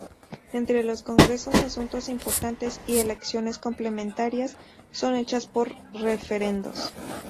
Entre los congresos asuntos importantes y elecciones complementarias son hechas por referendos.